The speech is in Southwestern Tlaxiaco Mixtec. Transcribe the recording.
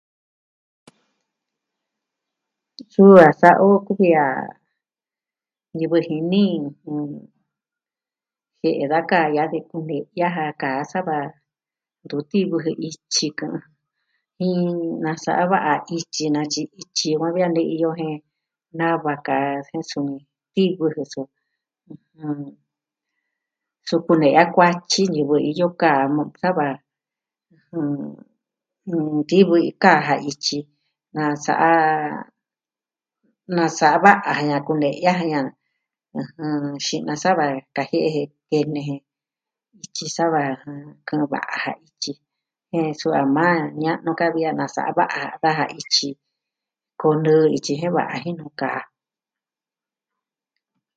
Suu a sa'a o kuvi a ñivɨ jini, jɨn... jie'e da kaa ya'a de kune'ya ja sava ntu ti'vɨ je ityi kɨ'ɨn. Jin nasa'a va'a ityi, natyi ityi, tyi va ve a ntu iyo jen nava kaa jen suu ti'vɨ jen suu. Su kune'ya kuatyi ñivɨ iyo kaa sava, nti'vɨ kaa ja tyi. Nasa'a... nasa'a va'a jen na kune'ya ja, ɨjɨn,tyi na sava kaje'e tee nee je. Ityi sava, kɨ'ɨn va'a ja ityi. Jen suu a maa ña'nu kaa vi a nasa'a va'a daja ityi. Kɨɨn nɨ ityi jen va a jinu kaa.